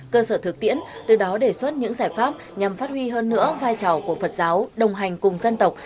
cơ sở thực tiễn từ đó đề xuất những giải pháp nhằm phát huy hơn nữa vai trò của phật giáo đồng hành cùng dân tộc